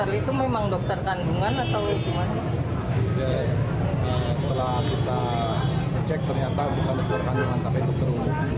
sejumlah janin bernama budi mulia ini digunakan sebagai klinik aborsi ilegal